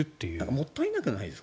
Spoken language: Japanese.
もったいなくないですか？